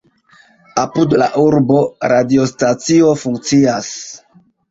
Apud la urbo radiostacio funkcias.